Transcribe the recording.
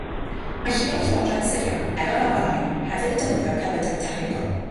Mae lluoedd llywodraeth Syria, er ar raddfa lai, hefyd yn defnyddio cerbydau technegol.